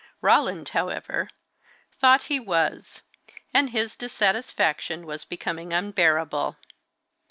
Roland, however, thought he was, and his dissatisfaction was becoming unbearable.